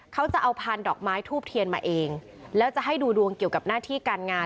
เขาจะเอาพานดอกไม้ทูบเทียนมาเองแล้วจะให้ดูดวงเกี่ยวกับหน้าที่การงาน